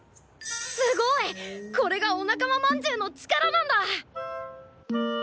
すごい！これがお仲間まんじゅうの力なんだ！